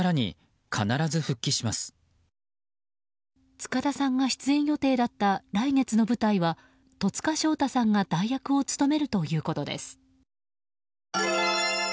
塚田さんが出演予定だった来月の舞台は戸塚祥太さんが代役を務めるということです。